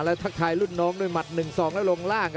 แล้วทักทายรุ่นน้องด้วยหมัด๑๒แล้วลงล่าง